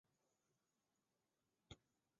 动画版和剧集版两者有些内容会不同。